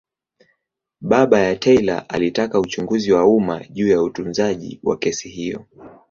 Baba ya Taylor alitaka uchunguzi wa umma juu ya utunzaji wa kesi hiyo.